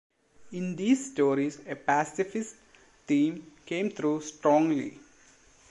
In these stories a pacifist theme came through strongly.